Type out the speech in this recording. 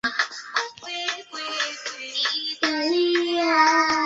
imeahirishwa hadi alhamisi ijayo kutokana na moja wa mashahidi kushindwa kufika mahakamani